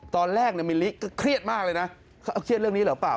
ตอนแรกเนี้ยมิลลิก็เครียดมากเลยน่ะเครียดเลือกนี้เหรอเปล่า